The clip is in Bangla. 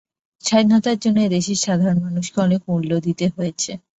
স্বাধীনতার জন্য এ দেশের সাধারণ মানুষকে অনেক মূল্য দিতে হয়েছে।